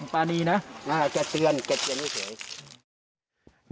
ป่านีนะอ่าเกียวเตือนนี่เฉย